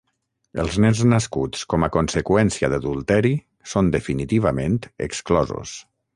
Els nens nascuts com a conseqüència d'adulteri són definitivament exclosos.